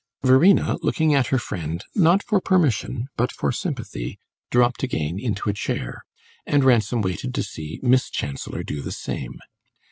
Verena, looking at her friend, not for permission, but for sympathy, dropped again into a chair, and Ransom waited to see Miss Chancellor do the same.